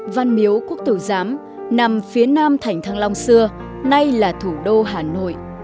văn miếu quốc tử giám nằm phía nam thành thăng long xưa nay là thủ đô hà nội